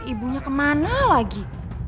ibunya kemana lagi